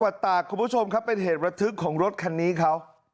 ตากคุณผู้ชมครับเป็นเหตุระทึกของรถคันนี้เขา